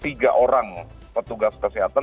tiga orang petugas kesehatan